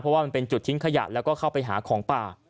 เพราะว่ามันเป็นจุดทิ้งขยะแล้วก็เข้าไปหาของป่า